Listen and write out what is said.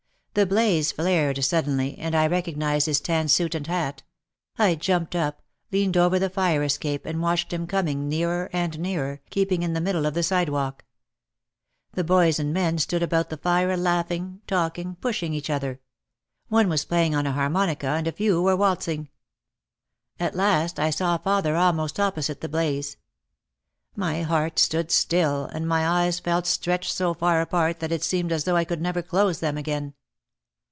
The blaze flared suddenly and I recognised his tan suit and hat. I jumped up, leaned over the fire escape and watched him coming nearer and nearer, keeping in the middle of the sidewalk. The boys and men stood about the fire laughing, talking, pushing each other. One was playing on a harmonica and a few were waltzing. At last I saw father almost opposite the blaze. My heart stood still and my eyes felt stretched so far apart that it seemed as though I could never close them again.